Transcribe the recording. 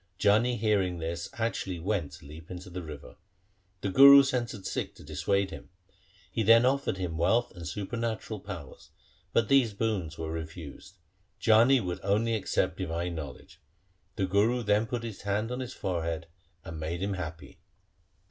Jani hearing this actually went to leap into the river. The Guru sent a Sikh to dissuade him. He then offered him wealth and supernatural power, but these boons were refused. Jani would only accept divine knowledge. The Guru then put his hand on his forehead, and made him happy.